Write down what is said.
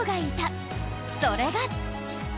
それが